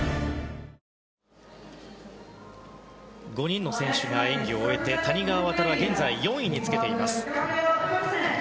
５人の選手が演技を終えて谷川航は現在４位につけています。